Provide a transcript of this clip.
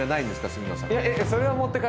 杉野さん。